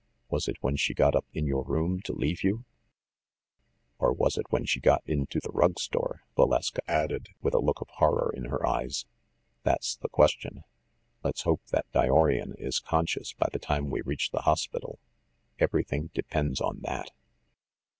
Was it when she got up in your room to leave you ‚ÄĒ " "Or was it when she got into the rug store?" Va leska added, with a look of horror in her eyes. "That's the question. Let's hope that Dyorian is conscious by the time we reach the hospital. Every thing depends on that